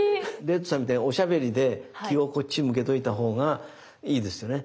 レッドさんみたいにおしゃべりで気をこっちに向けといた方がいいですよね。